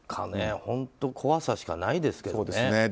本当怖さしかないですけどね。